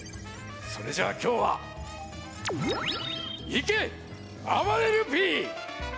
それじゃあきょうはいけあばれるＰ！